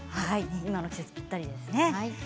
今の季節ぴったりですね。